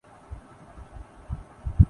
واردات ڈالتے بھی ہیں۔